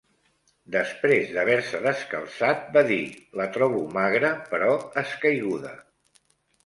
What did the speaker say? Després de haver-se descalçat- va dir -la trobo magra, però escaiguda.